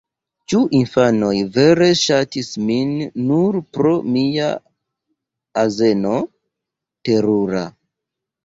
Ĉu infanoj vere ŝatis min nur pro mia azeno? Terura.